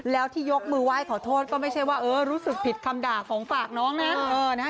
แล้วที่ยกมือไหว้ขอโทษก็ไม่ใช่ว่าเออรู้สึกผิดคำด่าของฝากน้องนะ